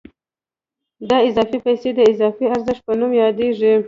دا اضافي پیسې د اضافي ارزښت په نوم یادېږي